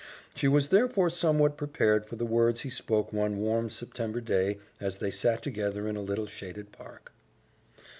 She was therefore somewhat prepared for the words he spoke one warm September day, as they sat together in a little shaded park.